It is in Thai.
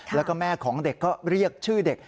แล้วก็แม่ของเด็กก็เรียกชื่อเด็ก